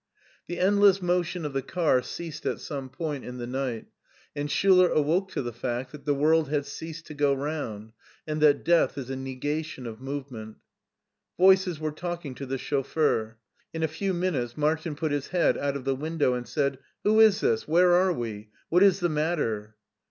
The endless motion of the car ceased at some point in the night, and Schtiler awoke to the fact that the world had ceased to go round and that death is a nega tion of movement. Voices were talking to the chauf feur. In a few minutes Martin put his head out of the window and said :" Who is this? Where are we? What is the mat ter?"